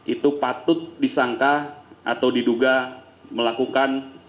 itu patut disangka atau diduga melakukan